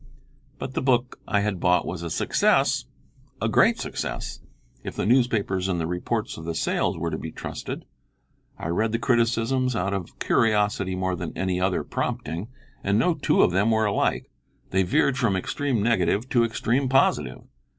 But the book I had bought was a success, a great success, if the newspapers and the reports of the sales were to be trusted. I read the criticisms out of curiosity more than any other prompting, and no two of them were alike: they veered from extreme negative to extreme positive.